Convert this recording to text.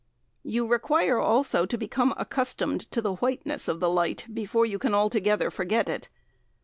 You require also to become accustomed to the whiteness of the light before you can altogether forget it.